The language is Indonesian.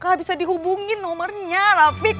gak bisa dihubungin nomernya rafiq